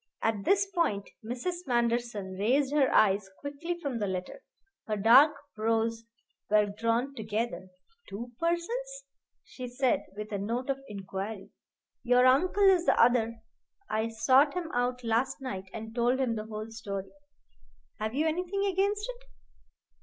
At this point Mrs. Manderson raised her eyes quickly from the letter. Her dark brows were drawn together. "Two persons?" she said with a note of inquiry. "Your uncle is the other. I sought him out last night and told him the whole story. Have you anything against it?